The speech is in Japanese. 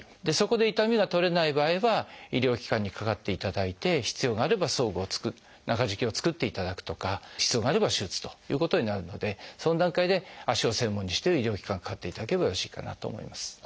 でそこで痛みが取れない場合は医療機関にかかっていただいて必要があれば装具を中敷きを作っていただくとか必要があれば手術ということになるのでその段階で足を専門にしてる医療機関にかかっていただければよろしいかなと思います。